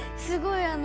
すごい。